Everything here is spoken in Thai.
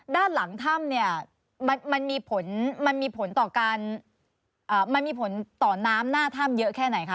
ด้านหลังถ้ำเนี่ยมันมีผลต่อน้ำหน้าถ้ำเยอะแค่ไหนคะ